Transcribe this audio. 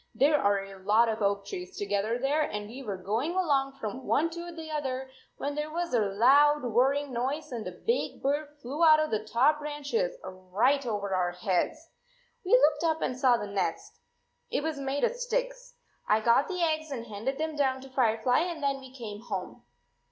There are a lot of oak trees together there and we were going along 19 from one to the other, when there was a loud whirring noise and a big bird flew out of the top branches right over our heads ! We looked up and saw the nest. It was made of sticks. I got the eggs and handed them down to Firefly, and then we came home."